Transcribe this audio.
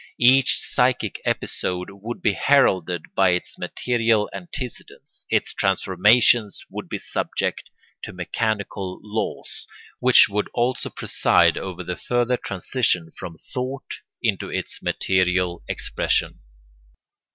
Each psychic episode would be heralded by its material antecedents; its transformations would be subject to mechanical laws, which would also preside over the further transition from thought into its material expression.